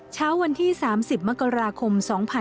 เช้าวันที่๓๐มกราคม๒๕๖๒